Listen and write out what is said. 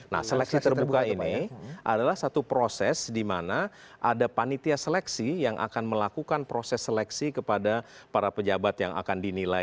nah seleksi terbuka ini adalah satu proses di mana ada panitia seleksi yang akan melakukan proses seleksi kepada para pejabat yang akan dinilai